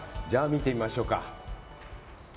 じゃあ、見てみましょうか。